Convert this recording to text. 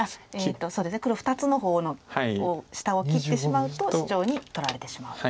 そうですね黒２つの方の下を切ってしまうとシチョウに取られてしまうと。